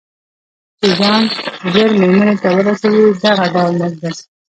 چې ځان ژر مېرمنې ته ورسوي، دغه ډول مجلس.